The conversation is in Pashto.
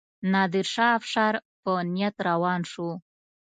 نادرشاه افشار په نیت روان شو.